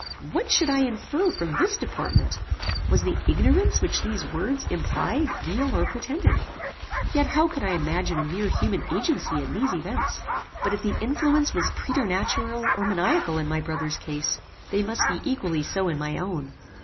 What should I infer from this deportment? Was the ignorance which these words implied real or pretended? Yet how could I imagine a mere human agency in these events? But if the influence was preternatural or maniacal in my brother's case, they must be equally so in my own.